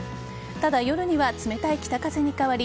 ただ、夜には冷たい北風に変わり